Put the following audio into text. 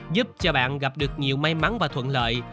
giúp cho bạn gặp được nhiều may mắn và thuận lợi